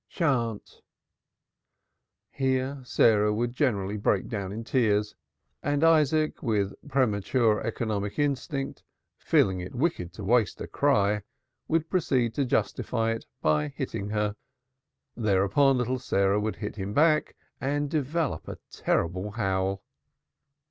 "Than't!" Here Sarah would generally break down in tears and Isaac with premature economic instinct, feeling it wicked to waste a cry, would proceed to justify it by hitting her. Thereupon little Sarah would hit him back and develop a terrible howl.